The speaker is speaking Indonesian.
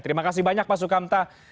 terima kasih banyak pak sukamta